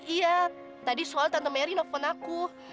iya tadi soal tante mary nelfon aku